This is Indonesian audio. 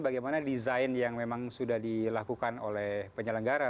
bagaimana desain yang memang sudah dilakukan oleh penyelenggara